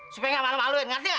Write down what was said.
supaya gak malu maluin ngerti gak